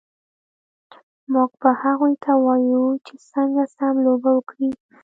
موږ به هغوی ته ووایو چې څنګه سم لوبه وکړي